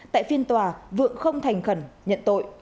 tại phiên tòa vượng không thành khẩn nhận tội